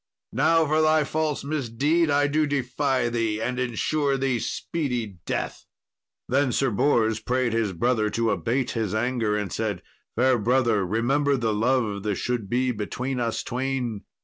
Now, for thy false misdeed, I do defy thee, and ensure thee speedy death." Then Sir Bors prayed his brother to abate his anger, and said, "Fair brother, remember the love that should be between us twain."